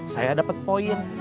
saya dapet poin